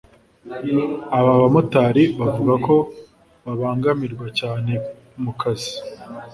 Aba bamotari bavuga ko babangamirwa cyane mu kazi